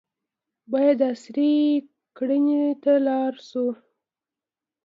باید عصري کرنې ته لاړ شو.